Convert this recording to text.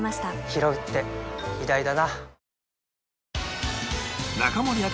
ひろうって偉大だな